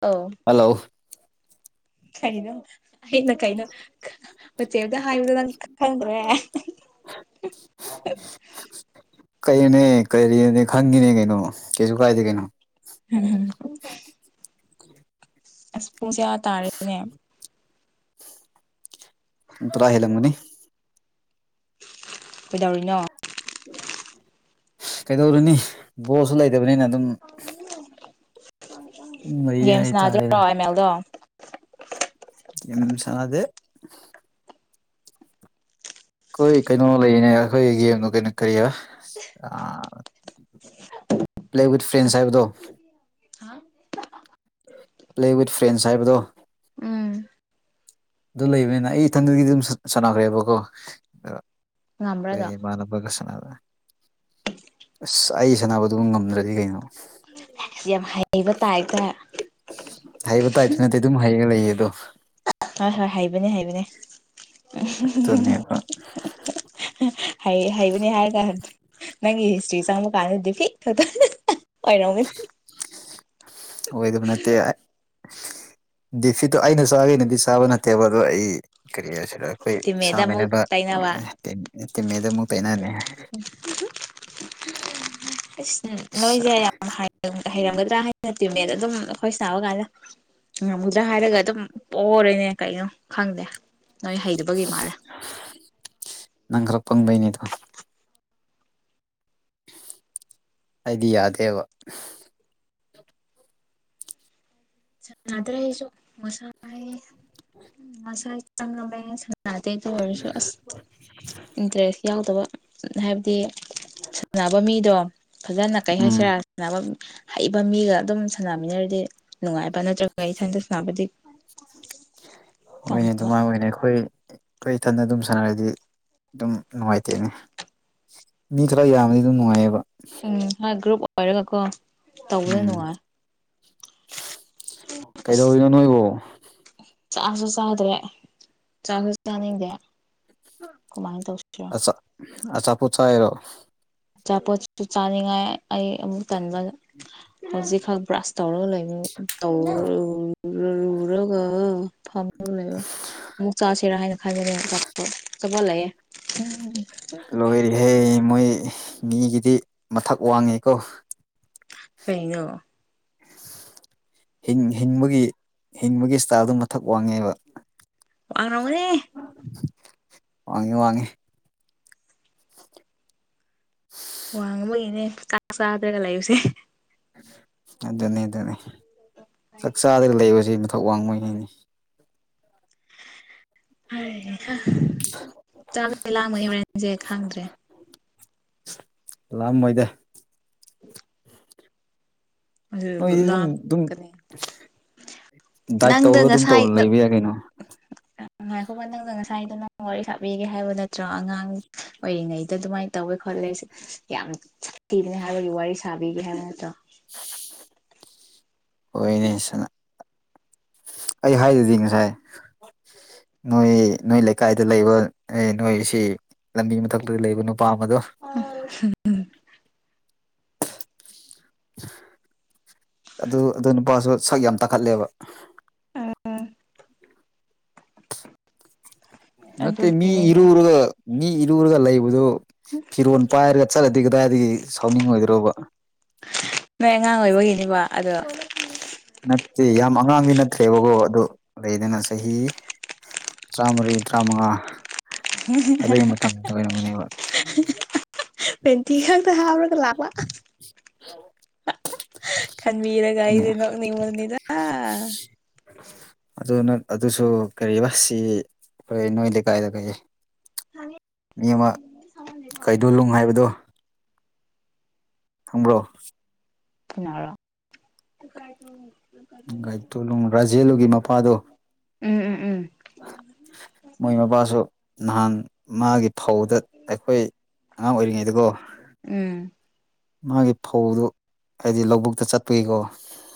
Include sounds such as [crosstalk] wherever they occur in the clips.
ꯑꯥꯎ ꯍꯜꯂꯣ ꯀꯩꯅꯣ ꯑꯩꯅ ꯀꯩꯅꯣ ꯋꯥꯆꯦꯞꯇ ꯍꯥꯏꯕꯗ‌ꯣ ꯅꯪ ꯈꯪꯗ꯭ꯔꯦ [unintelligible] ꯀꯩꯅ‌ꯣꯅꯦ ꯀꯔꯤꯅ‌ꯣꯅ‌ꯦ ꯈꯪꯉꯤꯅꯦ ꯀꯩꯅꯣ ꯀꯩꯁꯨ ꯀꯥꯏꯗꯦ ꯀꯩꯅꯣ [unintelligible] ꯑꯁ ꯄꯨꯡꯁ‌ꯦ ꯑꯥ ꯇꯥꯔ‌ꯦꯅꯦ ꯄꯨꯡ ꯇꯔꯥ ꯍꯦꯜꯂꯝꯒꯅꯤ ꯀꯩꯗꯧꯔꯤꯅꯣ ꯀꯩꯗꯧꯔꯨꯅꯤ ꯕꯣꯜꯁꯨ ꯂꯩꯇꯕꯅꯤꯅ ꯑꯗꯨꯝ [unintelligible] ꯂꯩꯌꯦ ꯒꯦꯝ ꯍꯥꯏꯇꯥꯔꯦ ꯁꯥꯟꯅꯁꯤꯔ‌ꯣ ꯑ‌ꯦꯝꯃꯦꯜꯗꯣ ꯒꯦꯝ ꯁꯥꯟꯅꯗꯦ ꯑꯩꯈꯣꯏ ꯀꯩꯅꯣ ꯂꯩꯅꯦ ꯑꯩꯈꯣꯏꯒꯤ ꯒꯦꯝꯗꯣ ꯀꯩꯅꯣ ꯀꯔꯤꯕ ꯑꯥ ꯄ꯭ꯂꯦ ꯋꯤꯠ ꯐ꯭ꯔꯦꯟꯁ ꯍꯥꯏꯕꯗꯣ ꯍꯥ ꯄ꯭ꯂꯦ ꯋꯤꯠ ꯐ꯭ꯔꯦꯟꯁ ꯍꯥꯏꯕꯗꯣ ꯎꯝ ꯑꯗꯨ ꯂꯩꯕꯅꯤꯅ ꯑꯩ ꯏꯊꯟꯗꯒꯤꯗꯤ ꯑꯗꯨꯝ ꯁ ꯁꯥꯟꯅꯈ꯭ꯔꯦꯕꯀꯣ ꯑ ꯉꯝꯕ꯭ꯔꯥꯗꯣ [unintelligible] ꯏꯃꯥꯟꯅꯕꯒ ꯁꯥꯟꯅꯕ ꯑꯁ ꯑꯩ ꯁꯥꯟꯅꯕꯗꯨ ꯉꯝꯗ꯭ꯔꯗꯤ ꯀꯩꯅꯣ ꯌꯥꯝ ꯍꯩꯕ ꯇꯥꯏꯞꯇ ꯍꯩꯕ ꯇꯥꯏꯞꯇ ꯅꯠꯇꯦ ꯑꯗꯨꯝ ꯍꯩꯔ ꯂꯩꯌꯦ ꯑꯗꯣ ꯍꯣꯏ ꯍꯣꯏ ꯍꯩꯕꯅꯦ ꯍꯩꯕꯅꯦ ꯑꯗꯨꯅꯦꯕ [unintelligible] ꯍꯩ ꯍꯩꯕꯅꯦ ꯍꯥꯏꯔꯒꯥꯟ ꯅꯪꯒꯤ ꯍꯤꯁꯇ꯭ꯔꯤ ꯆꯪꯕ ꯀꯥꯟꯗ ꯗꯤ ꯐꯤꯠꯈꯛꯇ [unintelligible] ꯑꯣꯏꯔꯝꯒꯅꯤ [unintelligible] ꯑꯣꯏꯗꯕ ꯅꯠꯇꯦ ꯑ ꯗꯤꯐꯤꯠꯇꯣ ꯑꯩꯅ ꯆꯥꯒ‌ꯦꯅꯗꯤ ꯆꯥꯕ ꯅꯠꯇꯦꯕ ꯑꯗꯣ ꯑꯩ ꯀꯔꯤ ꯍꯥꯏꯖꯤ ꯔꯥ ꯑꯩꯈꯣꯏ ꯇꯤꯝꯃꯦꯠꯗ ꯑꯃꯨꯛ ꯁꯥꯟꯃꯤꯟꯅꯕ ꯇꯩꯅꯕ ꯇꯤꯝ ꯇꯤꯝꯃꯦꯠꯗ ꯑꯃꯨꯛ ꯇꯥꯏꯅꯅꯤ [unintelligible] ꯑꯁ ꯑꯁ ꯅ‌ꯣꯏꯖꯦ ꯌꯥꯝ ꯍꯥꯏ [unintelligible] ꯍꯩꯔꯝꯒꯗ꯭ꯔꯥ ꯍꯥꯏꯅ ꯇꯤꯃꯦꯠ ꯑꯗꯨꯝ ꯑꯩꯈꯣꯏ ꯁꯥꯟꯅꯕꯀꯥꯟꯗ ꯉꯝꯒꯗ꯭ꯔꯥ ꯍꯥꯏꯔꯒ ꯑꯗꯨꯝ ꯄ‌ꯣꯔ‌ꯦꯅꯦ ꯀꯩꯅꯣ ꯈꯪꯗꯦ ꯅꯣꯏ ꯍꯩꯇꯕꯒꯤ ꯃꯥꯜꯂꯦ ꯅꯪ ꯈ꯭ꯔ ꯄꯪꯕꯩꯅ‌ꯦꯗꯣ ꯑꯩꯗꯤ ꯌꯥꯗꯦꯕ ꯁꯥꯟꯅꯗ꯭ꯔꯦ ꯑꯩꯖꯨ ꯉꯁꯥꯏ ꯉꯁꯥꯏ ꯆꯪꯂꯝꯃꯦ ꯁꯥꯟ [inaudible] ꯅꯥꯗ‌ꯦ ꯗꯨ ꯑꯣꯏꯔꯁꯨ ꯑꯁ ꯏꯟꯇꯔꯦꯁ ꯌꯥꯎꯗꯕ ꯍꯥꯏꯕꯗꯤ ꯁꯥꯟꯅꯕ ꯃꯤꯗꯣ ꯐꯖꯅ ꯀꯩ ꯎꯝ ꯍꯥꯏꯁꯤꯔꯥ ꯁꯅꯕ ꯃ ꯍꯩꯕ ꯃꯤꯒ ꯑꯗꯨꯝ ꯁꯥꯟꯅꯃꯤꯟꯅꯔꯗꯤ ꯅꯨꯡꯉꯥꯏꯕ ꯅꯠꯇ꯭ꯔꯒ ꯏꯊꯟꯗ ꯁꯟꯅꯥꯕꯗꯤ ꯇꯟꯕꯥ ꯍ‌ꯣꯏꯅ‌ꯦ ꯈꯣꯏ ꯈꯣꯏ ꯏꯊꯟꯗ ꯑꯗꯨꯝ ꯁꯥꯟꯅꯔꯗꯤ ꯑꯗꯨꯝ ꯅꯨꯡꯉꯥꯏꯇꯦꯅꯤ ꯃꯤ ꯈꯔ ꯌꯥꯝꯃꯗꯤ ꯗꯨꯝ ꯅꯨꯡꯉꯥꯏꯌꯦꯕ ꯎꯝ ꯍꯣꯏ ꯒ꯭ꯔꯨꯞ ꯑꯣꯏꯔꯒꯀꯣ꯫ ꯇꯧꯕꯗ ꯎꯝ ꯅꯨꯡꯉꯥꯏ ꯑꯁ ꯀꯩꯗꯧꯔꯤꯅꯣ ꯅꯣꯏꯕꯣ꯫ ꯆꯥꯁꯨ ꯆꯗ꯭ꯔꯦ ꯆꯁꯨ ꯆꯥꯅꯤꯡꯗꯦ꯫ ꯀꯃꯥꯏꯗ [unintelligible] ꯑꯆꯥꯄꯨꯠ ꯆꯥꯔꯤꯔꯣ ꯑꯆꯥꯄꯣꯠꯁꯤꯁꯨ ꯆꯥꯅꯤꯡꯉꯥꯏ ꯑꯩ ꯑꯃꯨꯛ ꯀꯟꯕ ꯍꯧꯖꯤꯛꯈꯛ ꯕ꯭ꯔꯁ ꯇꯧꯔꯒ ꯂꯩꯕ ꯎ [unintelligible] ꯇꯧꯔꯔꯒ ꯐ ꯂꯩꯕ ꯑꯃꯨꯛ ꯆꯥꯁꯤꯔꯥ ꯍꯥꯏꯅ ꯈꯟꯖꯩ [unintelligible] ꯑꯆꯥꯄꯣꯠ ꯂꯩꯑꯦ꯫ ꯂꯣꯏꯔꯦꯍꯩ ꯃꯣꯏ ꯃꯤꯒꯤꯗꯤ ꯃꯊꯛ ꯋꯥꯡꯉꯤꯀꯣ꯫ ꯀꯩꯅꯣ ꯍꯤꯟ ꯍꯤꯡꯕꯒꯤ ꯍꯤꯡꯕꯒꯤ ꯏꯁꯇꯥꯏꯜꯗ ꯃꯊꯛ ꯋꯥꯡꯉꯦꯕ꯫ ꯋ [unintelligible] ꯋꯥꯉꯤ ꯋꯥꯉꯦ ꯋꯥꯡ ꯑꯃꯒꯤꯅꯦ ꯆꯥꯛ ꯆꯥꯗ꯭ꯔꯒ ꯂꯩꯁꯦ꯫ ꯑꯗꯨꯅꯤ ꯑꯗꯨꯅꯤ ꯆꯥꯛ ꯆꯥꯗꯒ ꯂꯩꯔꯁ ꯃꯊꯧ ꯋꯥꯡꯕꯉꯩꯅꯤ꯫ ꯍꯩ ꯍꯥ ꯆꯥꯒꯅꯤ ꯂꯥꯝꯃꯗꯤ ꯍꯣꯔꯦꯟꯖꯦ ꯈꯪꯗ꯭ꯔꯦ ꯂꯥꯝꯃꯣꯏꯗ [unintelligible] ꯑꯗꯨ ꯅꯣꯏꯗꯤ ꯑꯗꯨꯝ ꯗꯨꯝ ꯂꯥꯝꯒꯅꯤ ꯗꯥꯏꯠ ꯅꯪꯗꯣ ꯇꯧꯔꯒ ꯑꯗꯨꯝ ꯉꯁꯥꯏ ꯇꯧꯅ ꯂꯩꯕ ꯌꯥꯏ ꯀꯩꯅꯣ ꯉꯥꯏꯈꯣꯕ ꯅꯪꯒ ꯉꯁꯥꯏꯗꯣ ꯅꯪ ꯋꯥꯔꯤ ꯁꯥꯕꯤꯒꯦ ꯍꯥꯏꯕ ꯅꯠꯇ꯭ꯔꯣ ꯑꯉꯥꯡ ꯑꯣꯏꯔꯤꯉꯩꯗ ꯑꯗꯨꯃꯥꯏꯅ ꯇꯧꯋꯦ ꯈꯣꯠꯂꯦ ꯌꯥꯝ ꯊꯤꯕꯅꯦ ꯍꯥꯏꯕꯒꯤ ꯋꯥꯔꯤ ꯁꯥꯕꯤꯒꯦ ꯍꯥꯏꯅꯠꯇ꯭ꯔꯣ ꯍꯣꯏꯅꯦ ꯑꯩ ꯍꯥꯏꯗꯨꯗꯤ ꯉꯁꯥꯏ ꯅꯣꯏ ꯅꯣꯏ ꯂꯩꯀꯥꯏꯗ ꯂꯩꯕ ꯅꯣꯏꯁꯤ ꯂꯝꯕꯤ ꯃꯊꯛꯇꯗ ꯂꯩꯕ ꯅꯨꯄꯥ ꯑꯃꯗꯣ [unintelligible] ꯑꯗꯨ ꯑꯗꯨ ꯅꯨꯄꯥꯁꯨ ꯁꯛ ꯌꯥꯝ ꯇꯥꯈꯠꯂꯦꯕ꯫ ꯅꯠꯇꯦ ꯃꯤ ꯑꯗꯨꯒꯤꯅꯤꯅꯦ [unintelligible] ꯃꯤ ꯏꯔꯨꯔꯒ ꯂꯩꯕꯗꯨ ꯐꯤꯔꯣꯜ ꯄꯥꯏꯔꯒ ꯆꯠꯂꯗꯤ ꯀꯗꯥꯏꯗꯒꯤ ꯁꯥꯎꯅꯤꯡꯉꯣꯏꯗ꯭ꯔꯣꯕ ꯅꯣꯏ ꯑꯉꯥꯡ ꯑꯣꯏꯕꯒꯤꯅꯤꯀꯣ ꯑꯗꯣ ꯅꯠꯇꯦ ꯌꯥꯝ ꯑꯉꯥꯡꯗꯤ ꯅꯠꯇ꯭ꯔꯦꯕꯀꯣ ꯑꯗꯨ ꯂꯩꯗꯅ ꯆꯍꯤ ꯇꯔꯥꯃꯔꯤ ꯇꯔꯥꯃꯉꯥ ꯑꯗꯨꯒꯤ ꯃꯇꯝꯗ ꯑꯣꯏꯔꯝꯒꯅꯦꯕ ꯄꯦꯟꯇꯤ ꯈꯪꯗ ꯍꯥꯥꯎꯔꯒ ꯂꯥꯕ꯫ ꯈꯟꯕꯤꯔꯒꯥ ꯅꯦ ꯑꯩꯗꯤ ꯅꯣꯛꯅꯤꯡꯕꯅꯤꯗ ꯑꯗꯨ ꯑꯗꯨꯁꯨ ꯀ ꯕꯥꯁꯤ ꯍꯣꯏ ꯅꯣꯏ ꯂꯩꯀꯥꯏꯗ ꯀꯩ ꯃꯤ ꯑꯃ ꯀꯩꯗꯣꯂꯅꯨꯡ ꯍꯥꯏꯕꯗꯣ ꯈꯪꯕ꯭ꯔꯣ ꯀꯥꯏ [unintelligible] ꯒꯥꯏꯇꯣꯂꯨꯡ ꯔꯥꯖꯨꯂꯨꯒꯤ ꯃꯄꯥꯗꯣ ꯎꯝ ꯎꯝ ꯎꯝ ꯃꯣꯏ ꯃꯄꯥꯁꯨ ꯅꯍꯥꯟ ꯃꯥꯒꯤ ꯐꯧꯗ ꯑꯈꯣꯏ ꯑꯉꯥꯡ ꯑꯣꯏꯔꯤꯉꯩꯗꯀꯣ꯫ ꯎꯝ ꯃꯥꯒꯤ ꯐꯧꯗꯣ ꯍꯥꯏꯗꯤ ꯂꯧꯕꯨꯛꯇ ꯆꯠꯄꯒꯤꯀꯣ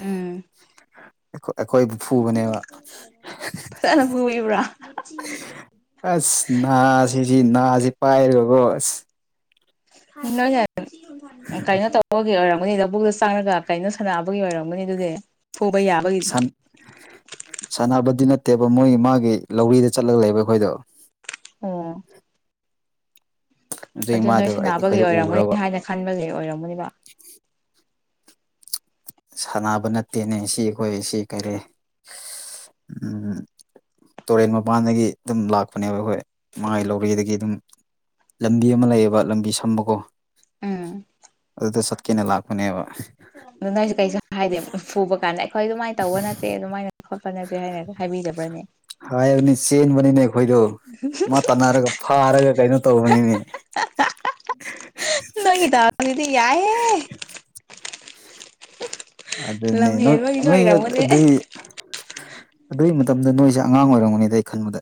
ꯎꯝ ꯑꯈꯣꯏ ꯑꯩꯈꯣꯏꯕꯨ ꯐꯨꯕꯅꯦꯕ ꯐꯖꯅ [unintelligible] ꯑꯁ ꯅꯥ ꯁꯤꯁꯤ ꯅꯥꯁꯤ ꯄꯥꯏꯔꯒꯀꯣ ꯑꯁ [unintelligible] ꯑ ꯀꯩꯅꯣ ꯇꯧꯕꯒꯤ ꯑꯣꯏꯔꯝꯒꯅꯤ ꯂꯧꯕꯕꯨꯛꯇ ꯆꯥꯡꯉꯒ ꯀꯩꯅꯣ ꯁꯥꯟꯅꯥꯕꯒꯤ ꯑꯣꯏꯔꯝꯒꯅꯤ ꯑꯗꯨꯗꯤ ꯐꯨꯕ ꯌꯥꯕꯒꯤ ꯁꯟ ꯁꯥꯟꯅꯕꯗꯤ ꯅꯠꯇꯦꯕ ꯃꯣꯏꯒꯤ ꯃꯥꯒꯤ ꯂꯧꯔꯤꯗ ꯆꯠꯂꯒ ꯂꯩꯕ ꯑꯈꯣꯏꯗꯣ ꯑꯣ ꯑꯗꯨꯒꯤ ꯑꯗꯨ ꯅꯣꯏ ꯃꯥꯗꯣ ꯁꯥꯅꯥꯕꯒꯤ ꯑꯩꯈꯣꯏꯗ ꯎꯈ꯭ꯔꯕ ꯑꯣꯏꯔꯝꯒꯅꯤ ꯍꯥꯏꯅ ꯈꯟꯕꯒꯤ ꯑꯣꯏꯔꯝꯒꯅꯤꯕ ꯁꯥꯟꯅꯕ ꯅꯠꯇꯦꯅꯦ ꯁꯤ ꯑꯩꯈꯣꯏ ꯁꯤ ꯀꯔꯤ ꯎ ꯇꯣꯔꯦꯟ ꯃꯄꯥꯟꯗꯒꯤ ꯑꯗꯨꯝ ꯂꯥꯛꯄꯅꯦꯕ ꯑꯩꯈꯣꯏ ꯃꯥꯏ ꯂꯧꯔꯤꯗꯒꯤ ꯑꯗꯨꯝ ꯂꯝꯕꯤ ꯑꯃ ꯂꯩꯌꯦꯕ ꯂꯝꯕꯤ ꯁꯝꯕꯀꯣ ꯎꯝ ꯑꯗꯨꯗ ꯆꯠꯀꯦꯅ ꯂꯥꯛꯄꯅꯦꯕ ꯑꯗꯨ ꯅꯣꯏꯁꯨ ꯀꯩꯁꯨ ꯍꯥꯏꯗꯦ ꯐꯨꯕ ꯀꯥꯟꯗ ꯑꯩꯈꯣꯏ ꯑꯗꯨꯃꯥꯏꯅ ꯇꯧꯕ ꯅꯠꯇꯦ ꯑꯗꯨꯃꯥꯏꯅ ꯈꯣꯠꯄ ꯅꯠꯇꯦ ꯍꯥꯏꯅ ꯍꯥꯏꯕꯤꯗꯕ꯭ꯔꯅꯦ ꯆꯦꯟ ꯕꯅꯤꯅꯦ ꯑꯩꯈꯣꯏꯗꯣ ꯃꯥ ꯇꯥꯟ ꯐꯥꯔꯒ ꯀꯩꯅꯣ ꯇꯧꯕꯅꯤꯅꯦ [inaudible] ꯅꯪꯒꯤ ꯗꯥꯎꯖꯤꯗꯤ ꯌꯥꯏꯍꯦ ꯑꯗꯨꯅꯤ ꯂꯝ ꯍꯦꯟꯕꯒꯤꯁꯨ ꯅꯣꯏ ꯑꯣꯏꯔꯝꯒꯅꯤ ꯑꯗꯨꯒꯤ ꯑꯗꯨꯒꯤ ꯃꯇꯝꯗ ꯅꯣꯏꯁꯦ ꯑꯉꯥꯡ ꯑꯣꯏꯔꯝꯒꯅꯤꯗ ꯑꯩ ꯈꯟꯕꯗ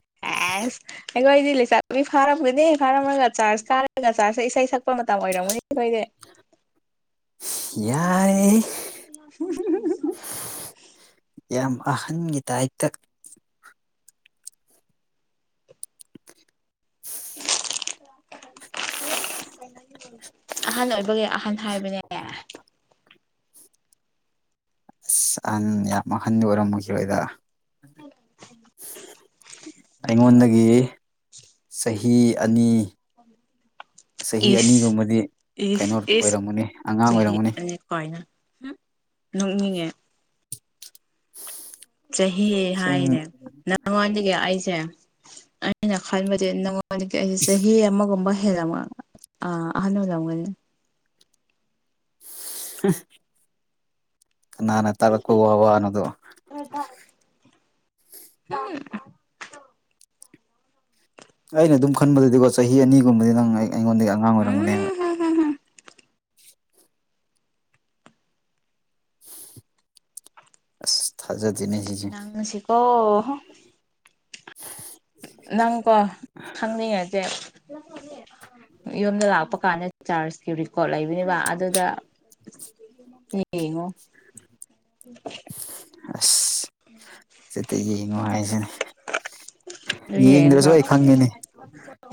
ꯑꯦꯁ ꯑꯩꯈꯣꯏꯗꯤ ꯂꯩꯆꯥꯥꯛ ꯅꯨꯨꯕꯤ ꯐꯥꯔꯝꯒꯅꯤ ꯐꯥꯔꯝꯃꯒ ꯆꯥꯔꯖ ꯀꯥꯔꯒ ꯆꯥꯔꯖꯁ ꯏꯁꯩ ꯁꯛꯄ ꯃꯇꯝ ꯑꯣꯏꯔꯝꯒꯅꯤ ꯑꯩꯈꯣꯏꯗꯤ [inaudible] ꯌꯥꯔꯦ [unintelligible] ꯌꯥꯝ ꯑꯍꯟꯒꯤ ꯇꯥꯏꯞꯇ [unintelligible] ꯑꯍꯟ ꯑꯣꯏꯕꯒꯤ ꯑꯍꯟ ꯍꯥꯏꯕꯅꯦ ꯑꯦ ꯑꯁ ꯑꯍꯟ ꯌꯥꯝ ꯑꯍꯟ ꯑꯣꯏꯔꯝꯃꯈꯤꯕꯣꯏꯗ ꯎꯝ ꯑꯩꯉꯣꯟꯗꯒꯤ ꯆꯍꯤ ꯑꯅꯤ ꯆꯍꯤ ꯏꯁ ꯑꯅꯤꯒꯨꯝꯕꯗꯤ ꯀꯩꯅꯣ ꯏꯁ ꯏꯁ ꯑꯣꯏꯔꯝꯒꯅꯤ ꯑꯉꯥꯡ ꯆꯍꯤ ꯑꯣꯏꯔꯝꯒꯅꯤ ꯑꯅꯤ ꯀꯥꯏꯅ ꯅꯣꯛꯅꯤꯡꯉꯦ ꯆꯍꯤ ꯁꯤꯡ ꯍꯥꯏꯔꯦ ꯅꯉꯣꯟꯗꯒꯤ ꯑꯩꯁꯦ ꯑꯩꯅ ꯈꯟꯕꯗꯤ ꯍꯧ ꯑꯩꯁꯦ ꯆꯍꯤ ꯑꯃꯒꯨꯝꯕ ꯍꯦꯜꯂꯝ ꯑ ꯑꯍꯟ ꯑꯣꯏꯔꯝꯒꯅꯤ ꯍꯨꯝ ꯀꯅꯥꯅ ꯇꯥꯛꯂꯛꯄ ꯋꯥꯅꯣ ꯑꯗꯣ [inaudible] ꯑꯩꯅ ꯑꯗꯨꯝ ꯈꯟꯕꯗꯗꯤꯀꯣ ꯆꯍꯤ ꯑꯅꯤꯒꯨꯝꯕꯗꯤ ꯅꯪꯅ ꯑꯩꯉꯣꯟꯗꯒꯤ ꯑꯉꯥꯡ ꯎꯝ ꯑꯣꯏꯔꯝꯒꯅꯦꯕ ꯑꯁ ꯊꯥꯖꯗꯦꯅꯦ ꯁꯤꯁꯦ ꯑꯣ [inaudible] ꯅꯪꯀꯣ ꯈꯪꯅꯩ ꯍꯥꯏꯕꯁꯦ ꯌꯨꯝꯗ ꯂꯥꯛꯄ ꯀꯥꯟꯗ ꯆꯥꯔꯖꯀꯤ ꯔꯦꯀꯣꯔꯠ ꯂꯩꯕꯅꯦꯕ ꯑꯗꯨꯗ ꯌꯦꯡꯉꯣ [inaudible] ꯑꯁ ꯆꯠꯇ ꯌꯦꯡꯉꯨ ꯍꯥꯏꯁꯤꯅꯦ ꯑꯗꯨ ꯌꯦꯡꯗ꯭ꯔꯁꯨ ꯌꯦꯡꯉꯒ ꯑꯩ ꯈꯪꯉꯤꯅꯤ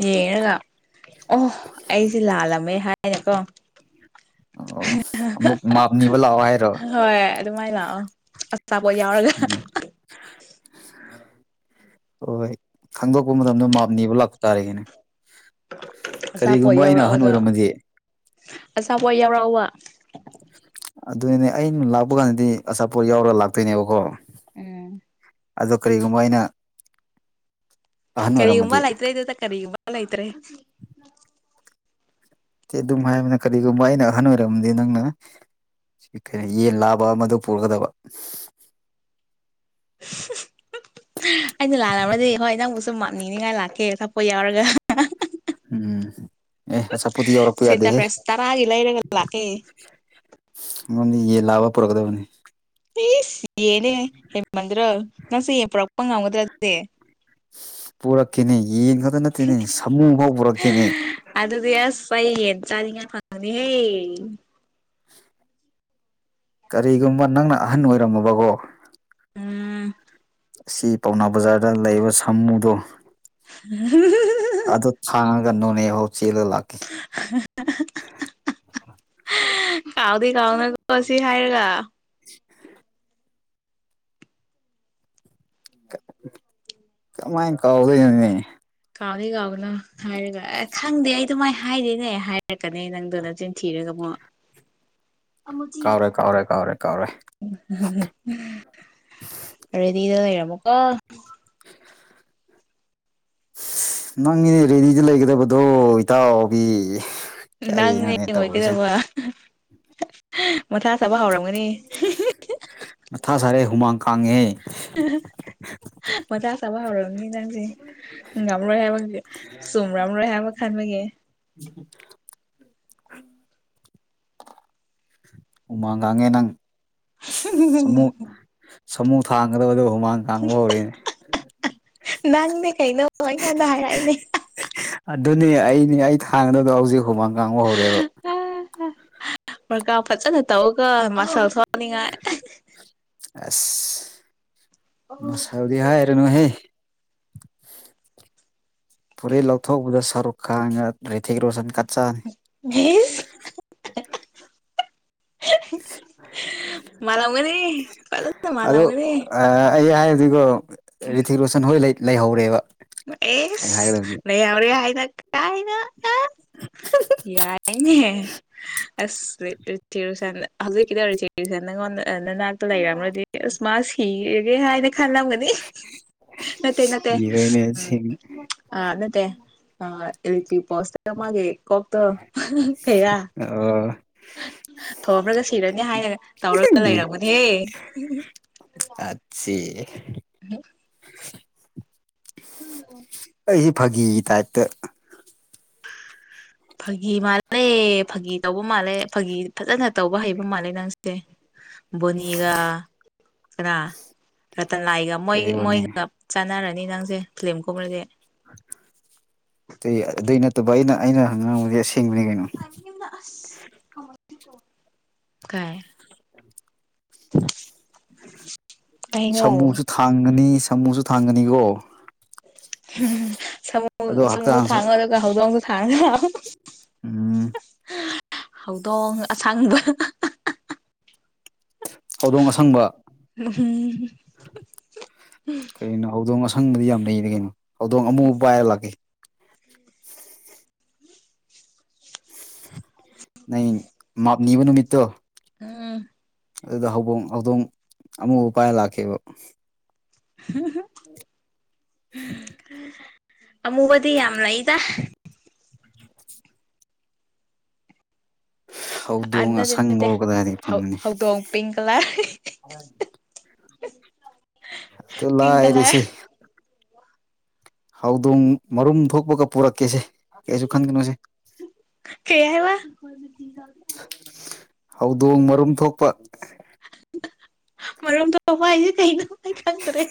ꯌꯦꯡꯉꯒ ꯑꯣ ꯑꯩꯁꯦ ꯂꯥꯜꯂꯝꯃꯦ ꯍꯥꯏꯅꯀꯣ ꯑꯣ ꯑꯃꯨꯛ ꯃꯥꯞꯅꯤꯕ ꯂꯥꯛꯑꯣ ꯍꯥꯏꯔꯣ ꯑꯁꯆꯥꯕꯣ ꯌꯥꯎꯔꯒ ꯎꯝ [inaudible] ꯍꯣꯏ ꯍꯣꯏ ꯈꯪꯗꯣꯛꯄ ꯃꯇꯝꯗ ꯃꯥꯞꯅꯤꯕ ꯂꯥꯛꯄ ꯇꯥꯔꯦꯅꯦ ꯀꯔꯤꯒꯨꯝꯕ ꯑꯩꯅ ꯑꯍꯟ ꯑꯣꯏꯔꯝꯃꯗꯤ ꯑꯆꯥꯥꯄꯣꯠ ꯌꯥꯎꯔꯛꯕ ꯑꯗꯨꯅꯤꯅꯦ ꯑꯩꯅ ꯂꯥꯛꯄ ꯀꯥꯟꯗꯗꯤ ꯑꯆꯥꯄꯣꯠ ꯌꯥꯎꯔꯒ ꯂꯥꯛꯇꯣꯏꯅꯦꯕꯀꯣ ꯎꯝ ꯑꯗꯣ ꯀꯔꯤꯒꯨꯝꯕ ꯑꯩꯅ ꯑꯍꯟ ꯑꯣꯏꯔꯝꯃꯗꯤ ꯀꯔꯤꯒꯨꯝꯕ ꯂꯩꯇ꯭ꯔꯦ ꯏ ꯇ ꯀꯔꯤꯒꯨꯝꯕ ꯂꯩꯇ꯭ꯔꯦ ꯑꯗꯨꯝ ꯍꯥꯏꯕꯅꯤꯅ ꯀꯔꯤꯒꯨꯝꯕ ꯑꯩꯅ ꯑꯍꯟ ꯑꯣꯏꯔꯝꯗꯤ ꯅꯪꯅ ꯀꯩꯅꯣ ꯌꯦꯟ ꯂꯥꯕ ꯑꯃꯗꯨ ꯄꯨꯔꯒꯗꯕ ꯑꯩꯅ ꯂꯥꯟꯂꯝꯔꯗꯤ ꯍꯣꯏ ꯅꯪꯕꯨ ꯁꯨꯝ ꯃꯞꯅꯤꯡꯅꯤꯡꯉꯥꯏ ꯂꯥꯛꯀꯦ ꯁꯥꯛꯄꯣꯠ ꯌꯥꯎꯔꯒ ꯎꯝ ꯑꯦ ꯑꯆꯥꯄꯨꯗꯤ ꯌꯧꯔꯛꯄ ꯁꯦꯟꯇꯥ ꯌꯥꯗꯦꯍꯦ ꯐ꯭ꯔꯦꯁ ꯇꯔꯥꯒꯤ ꯂꯩꯔꯒ ꯂꯥꯛꯀꯦ ꯅꯣꯟꯗꯤ ꯌꯦ ꯂꯥꯕ ꯄꯨꯔꯛꯀꯗꯕꯅꯤ ꯇꯤꯁ ꯌꯦꯅꯦ ꯍꯦꯃꯟꯗ꯭ꯔ ꯅꯪꯁꯦ ꯌꯦ ꯄꯨꯔꯛꯄ ꯉꯝꯒꯗ꯭ꯔꯗꯤꯦ ꯄꯨꯔꯛꯀꯅꯦ ꯌꯦꯡ ꯈꯛꯇ ꯅꯠꯇꯦꯅꯦ ꯁꯃꯨ ꯐꯥꯎ ꯄꯨꯔꯛꯀꯅꯤ ꯑꯗꯨꯗꯤ ꯑꯁ ꯑꯩ ꯌꯦꯟ ꯆꯥꯅꯤꯡꯉꯥꯏ ꯈꯪꯅꯤꯍꯦ ꯀꯔꯤꯒꯨꯝꯕ ꯅꯪꯅ ꯑꯍꯟ ꯑꯣꯏꯔꯝꯃꯕꯀꯣ ꯎꯝ ꯑꯁꯤ ꯄꯥꯎꯅꯥ ꯕꯖꯥꯔꯗ ꯂꯩꯕ ꯁꯥꯃꯨꯗꯣ ꯎꯝ ꯑꯗꯨ ꯊꯥꯡꯉꯒ ꯅꯣꯅꯦꯐꯥꯎ ꯆꯦꯜꯂ ꯂꯥꯛꯀꯦ ꯀꯥꯎꯗꯤ ꯀꯥꯎꯅꯀꯣ ꯁꯤ ꯍꯥꯏꯔꯒ ꯀꯃꯥꯏꯅ ꯀꯧꯗꯣꯏꯅꯣꯅꯦ ꯀꯥꯎꯗ ꯀꯥꯎꯗꯅꯣ ꯍꯥꯏꯔꯒ ꯑꯦ ꯈꯪꯗꯦ ꯑꯩ ꯑꯗꯨꯃꯥꯏꯅ ꯍꯥꯏꯗꯣꯏꯅꯦ ꯑꯩ ꯍꯥꯏꯔꯛꯀꯅꯤ ꯅꯪꯗꯣ ꯅꯆꯤꯟ ꯊꯤꯔꯒ ꯑꯃꯨꯛ ꯀꯥꯎꯔꯦ ꯀꯥꯎꯔꯦ ꯀꯥꯎꯔꯦ ꯀꯥꯎꯔꯦ ꯎ ꯔꯦꯗꯤꯗ ꯂꯩꯔꯝꯃꯨꯀꯣ [inaudible] ꯅꯪꯒꯤꯅꯦ ꯔꯦꯗꯤꯗ ꯂꯩꯒꯗꯕꯗꯣ ꯏꯇꯥꯎꯕꯤ ꯅꯪꯅꯦ ꯀꯔꯤꯅꯣꯅꯦ ꯇꯧꯔꯤꯁꯦ ꯑꯣꯏꯒꯗꯧꯕ ꯃꯊꯥ ꯁꯥꯕ ꯍꯧꯔꯝꯒꯅꯤ ꯃꯊꯥ ꯁꯥꯔꯦ ꯍꯨꯃꯥꯡ ꯀꯥꯡꯉꯦ ꯃꯖꯥ ꯆꯥꯕ ꯍꯧꯔꯝꯅꯤ ꯅꯪꯁꯦ ꯉꯝꯂꯣꯏ ꯍꯥꯏꯕ ꯆꯨꯝꯔꯝꯔꯣꯏ ꯍꯥꯏꯕ ꯈꯟꯕꯒꯤꯦ ꯎꯝ ꯍꯨꯃꯥꯡ ꯀꯥꯡꯥꯡꯉꯦ ꯅꯪꯃꯨ ꯁꯥꯃꯨ ꯊꯥꯡꯒꯗꯕꯗ ꯍꯨꯃꯥꯡ ꯀꯥꯡꯕ ꯍꯧꯔꯦꯅꯦ ꯅꯪꯅꯦ ꯀꯩꯅꯣ ꯑꯩꯉꯣꯟꯗ ꯍꯥꯏꯔꯛꯏꯅꯦ ꯑꯗꯨꯅꯦ ꯑꯩꯅꯦ ꯑꯩ ꯊꯥꯡꯒꯗꯗꯣ ꯍꯧꯖꯤꯛ ꯍꯨꯃꯥꯡ ꯀꯥꯡꯕ ꯍꯧꯔꯦꯕ ꯄ꯭ꯔꯀꯥ ꯐꯖꯅ ꯇꯧꯒ ꯃꯥꯁꯜ ꯁꯥꯎꯅꯤꯡꯉꯥꯏ ꯑꯁ ꯃ ꯁꯥꯥꯎꯗꯤ ꯍꯥꯏꯅꯣꯍꯦ ꯄꯨꯔꯔꯤ ꯂꯧꯊꯣꯛꯄꯗ ꯁꯔꯨꯛ ꯈꯉ ꯔꯤꯊꯤꯛ ꯔꯣꯁꯟ ꯀꯠꯆꯅꯤ ꯁ ꯃꯥꯂ ꯋꯥꯒꯅꯦꯦ ꯄꯂ ꯃꯥꯂ ꯑꯗꯣ ꯋꯥꯒꯔꯦ ꯑꯩ ꯍꯥꯏꯔꯁꯤꯀꯣ ꯔꯤꯊꯤꯛ ꯔꯣꯁꯟ ꯍꯣꯏ ꯂꯩꯍꯧꯔꯦꯕ ꯑꯩ ꯑꯦꯁ ꯍꯥꯏꯒꯗꯕꯗꯤ ꯂꯩꯍꯔꯦ ꯍꯥꯏꯅ ꯀꯅ ꯌꯥ ꯍ ꯑꯁ ꯊꯤꯔꯨꯁꯟ ꯍꯧꯖꯤꯛꯀꯤꯗꯧꯔꯤ ꯊꯦꯔꯨꯁꯟ ꯅꯪꯉꯣꯟꯗ ꯅꯅꯥꯛꯇ ꯂꯩꯔꯝ꯭ꯔꯗꯤ ꯀꯁꯃ ꯍꯔꯒꯦ ꯍꯥꯏꯅ ꯈꯜꯂꯝꯒꯅꯤ ꯅꯠꯇꯦ ꯅꯠꯇꯦ ꯎꯝ ꯁꯤꯔꯤ ꯑ ꯅꯠꯇ ꯑ ꯄꯣꯁ ꯃꯥꯒꯦꯣ ꯐꯦꯔꯌꯥ ꯑ ꯊꯣꯝꯃ꯭ꯔꯒ ꯁꯤꯔꯅꯤ ꯍꯥꯏꯅ ꯇꯧꯔꯒ ꯂꯩꯔꯝꯕꯅꯦꯍꯦ ꯑꯆꯦ ꯍ ꯑꯩꯁꯤ ꯐꯥꯒꯤꯒꯤ ꯇꯥꯏꯞꯇ ꯐꯥꯒꯤ ꯃꯥꯜꯂꯦ ꯐꯥꯒꯤ ꯇꯧꯕ ꯃꯥꯜꯂꯦ ꯐꯥꯒꯤ ꯐꯖꯅ ꯇꯧꯕ ꯍꯩꯕ ꯃꯥꯜꯂꯦ ꯅꯪꯁꯦ ꯕꯣꯅꯤꯒ ꯀꯅꯥ ꯔꯇꯟ ꯂꯥꯏꯒ ꯃꯣꯏ ꯀꯔꯤꯕꯨꯅꯤ ꯃꯣꯏꯒ ꯆꯥꯟꯅꯔꯅꯤ ꯅꯪꯁꯦ ꯐꯤꯂꯥꯝ ꯒꯨꯝꯃꯗꯤ ꯑꯗꯨ ꯑꯗꯨꯏ ꯅꯠꯇꯕ ꯑꯩꯅ ꯑꯩꯅ ꯍꯪꯕꯗꯤ ꯑꯁꯦꯡꯕꯅꯤ ꯀꯩꯅꯣ ꯀꯥꯏ ꯀꯩꯅꯣ ꯁꯥꯃꯨꯁꯨ ꯊꯥꯡꯒꯅꯤ ꯁꯥꯃꯨꯁꯨ ꯊꯥꯡꯒꯅꯤꯀꯣ ꯑꯗꯣ ꯁꯃꯨꯗꯨ ꯍꯛꯆꯥꯡꯁꯨ ꯊꯥꯡꯉꯣ ꯑꯗꯨꯒ ꯍꯧꯗꯣꯡꯁꯨ ꯊꯥꯡꯉꯣ ꯎꯝ ꯍꯧꯗꯣꯡ ꯑꯁꯪꯕ ꯍꯧꯗꯣꯡ ꯑꯁꯪꯕ ꯀꯔꯤꯒꯤꯅꯣ ꯍꯧꯗꯣꯡ ꯑꯁꯪꯕꯗꯤ ꯌꯥꯝ ꯂꯩꯅ ꯀꯩꯅꯣ ꯍꯧꯗꯣꯡ ꯑꯃꯨꯕ ꯄꯥꯏꯔ ꯂꯥꯛꯀꯦ ꯅꯪ ꯃꯥꯛ ꯅꯤꯕ ꯅꯨꯃꯤꯠꯇꯣ ꯎꯝ ꯑꯗꯨꯗ ꯍꯧꯡ ꯍꯧꯗꯣꯡ ꯑꯃꯨꯕ ꯄꯥꯏꯔ ꯂꯥꯛꯀꯦꯕ ꯍ ꯍ [inaudible] [unintelligible] ꯑꯃꯨꯕꯗꯤ ꯌꯥꯝ ꯂꯩꯗ ꯑꯗꯨ ꯍꯧꯗꯣꯡ ꯅꯠꯗꯤ ꯅꯠꯇꯦ ꯑꯁꯪꯕꯕꯨ ꯀꯗꯥꯏꯗꯒꯤ ꯍꯧ ꯐꯪꯒꯅꯤ ꯍꯧꯗꯣꯡ ꯄꯤꯡ ꯀꯂꯔ ꯑ [unintelligible] ꯑꯗꯨ ꯂꯥꯏꯔꯤꯁꯤ ꯍꯧꯗꯣꯡ ꯃꯔꯨꯝ ꯊꯣꯛꯄꯒ ꯄꯨꯔꯛꯀꯦꯁꯦ ꯀꯩꯁꯨ ꯈꯟꯒꯅꯣꯁꯦ ꯀꯩ ꯍꯥꯏꯕ ꯍꯧꯗꯣꯡ ꯃꯔꯨꯝ ꯊꯣꯛꯄ ꯃꯔꯣꯝ ꯊꯣꯛꯕ ꯍꯥꯣꯁꯦ ꯀꯩꯅꯣ ꯑꯩ ꯈꯪꯗ꯭ꯔꯦ